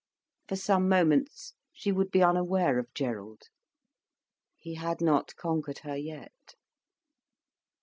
For some moments she would be unaware of Gerald. He had not conquered her yet.